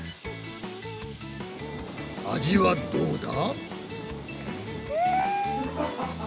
味はどうだ？